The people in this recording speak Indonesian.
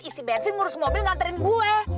isi bensin ngurus mobil nganterin gue